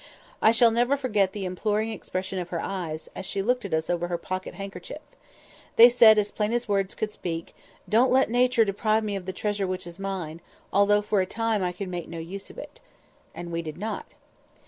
I shall never forget the imploring expression of her eyes, as she looked at us over her pocket handkerchief. They said, as plain as words could speak, "Don't let Nature deprive me of the treasure which is mine, although for a time I can make no use of it." And we did not.